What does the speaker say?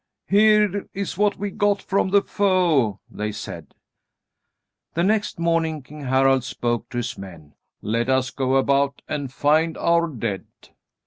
"Here is what we got from the foe," they said. The next morning King Harald spoke to his men: "Let us go about and find our dead."